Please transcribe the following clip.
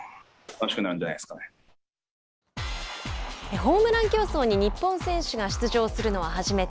ホームラン競争に日本選手が出場するのは初めて。